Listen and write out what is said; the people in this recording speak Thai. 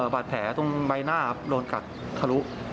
บาดแผลตรงใบหน้าโดนกัดทะลุ